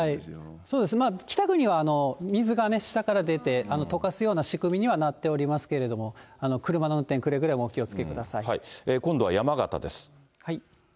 そうです、北国は水が下から出て、とかすような仕組みにはなっておりますけれども、車の運転、くれ今度は山形です。